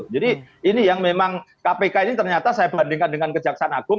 jadi ini yang memang kpk ini ternyata saya bandingkan dengan kejaksaan agung